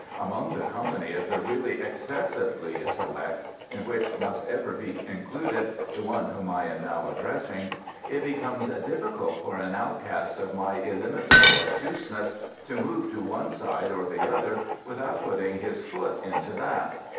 Among the company of the really excessively select (in which must ever be included the one whom I am now addressing), it becomes difficult for an outcast of my illimitable obtuseness to move to one side or the other without putting his foot into that."